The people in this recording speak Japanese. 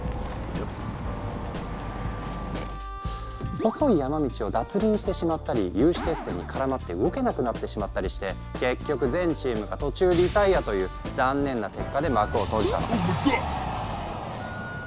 細い山道を脱輪してしまったり有刺鉄線に絡まって動けなくなってしまったりして結局全チームが途中リタイアという残念な結果で幕を閉じたの。